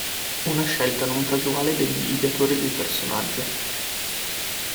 Una scelta non casuale degli ideatori del personaggio.